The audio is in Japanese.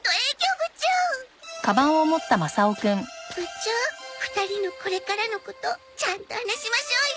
部長２人のこれからのことちゃんと話しましょうよ。